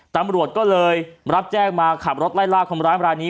ตำรวจก็เลยรับแจ้งมาขับรถไล่ล่าคนร้ายรายนี้